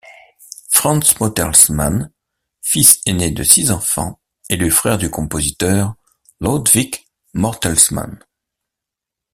Frans Mortelmans, fils ainé de six enfants, est le frère du compositeur Lodwijk Mortelmans.